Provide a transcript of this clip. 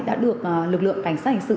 đã được lực lượng cảnh sát hành sự